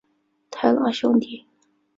太郎兄弟。